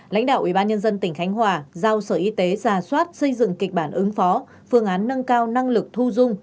lãnh đạo ubnd tỉnh khánh hòa giao sở y tế ra soát xây dựng kịch bản ứng phó phương án nâng cao năng lực thu dung